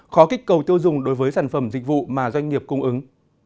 khó kích cầu tiêu dùng đối với sản phẩm dịch vụ mà doanh nghiệp cung ứng